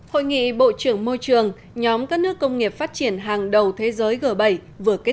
hội nghị bộ trưởng môi trường nhóm các nước công nghiệp phát triển hàng đầu thế giới g bảy vừa kết